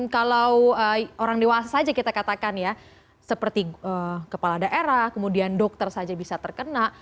kalau orang dewasa saja kita katakan ya seperti kepala daerah kemudian dokter saja bisa terkena